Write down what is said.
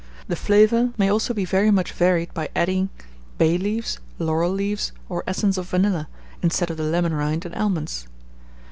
The flavour may also be very much varied by adding bay leaves, laurel leaves, or essence of vanilla, instead of the lemon rind and almonds.